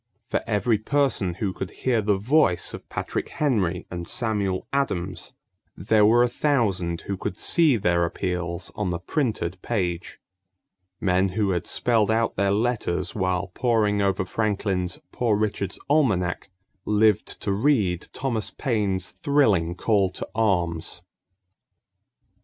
For every person who could hear the voice of Patrick Henry and Samuel Adams, there were a thousand who could see their appeals on the printed page. Men who had spelled out their letters while poring over Franklin's Poor Richard's Almanac lived to read Thomas Paine's thrilling call to arms.